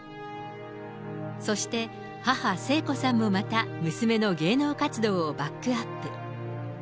そして母、聖子さんもまた、娘の芸能活動をバックアップ。